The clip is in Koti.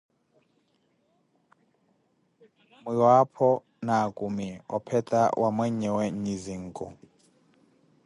miwaapho, na akumi, opheta wa mweyewe nyizinku.